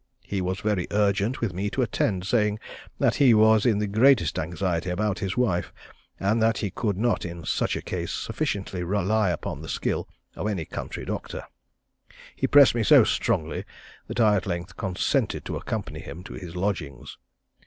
He was very urgent with me to attend, saying that he was in the greatest anxiety about his wife, and that he could not in such a case sufficiently rely upon the skill of any country doctor. He pressed me so strongly, that I at length consented to accompany him to his lodgings.